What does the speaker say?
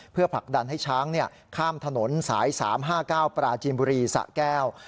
เพื่อผลักดันให้ช้างข้ามถนนสาย๓๕๙ปราจีนบุรีสะแก้ว